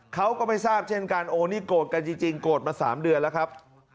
เขาก็ไม่ทราบเช่นกันโอ้นี่โกรธกันจริงโกรธมา๓เดือนแล้วครับ